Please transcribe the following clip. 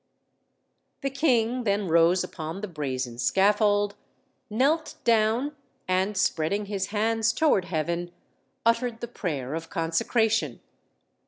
The king then rose upon the brazen scaffold, knelt down, and spreading his hands toward heaven, uttered the prayer of consecration.